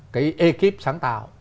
cái ekip sáng tạo